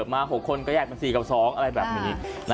มา๖คนก็แยกเป็น๔กับ๒อะไรแบบนี้